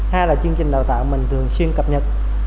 hai là chương trình đào tạo mình thường xuyên cập nhật